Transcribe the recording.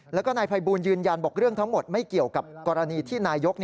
แล้วก็นายภัยบูลยืนยันบอกเรื่องทั้งหมดไม่เกี่ยวกับกรณีที่นายก